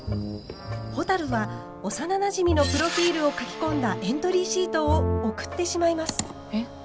ほたるは幼なじみのプロフィールを書き込んだエントリーシートを送ってしまいます。